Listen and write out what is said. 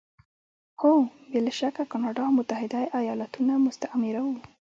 هو! بې له شکه کاناډا او متحده ایالتونه مستعمره وو.